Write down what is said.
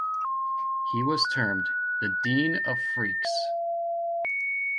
He was termed "The Dean of Freaks".